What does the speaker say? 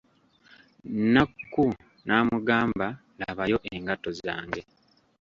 Nakku n'amugamba, labayo engatto zange.